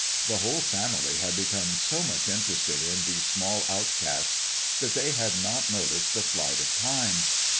The whole family had become so much interested in these small outcasts that they had not noticed the flight of time.